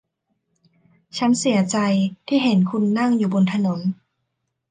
ฉันเสียใจที่เห็นคุณนั่งอยู่บนถนน